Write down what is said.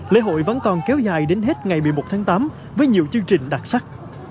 lễ hội vẫn còn kéo dài đến hết ngày một mươi một tháng tám với nhiều chương trình đặc sắc